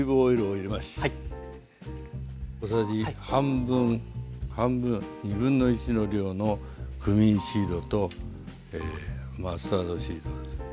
小さじ半分半分1/2の量のクミンシードとマスタードシードです。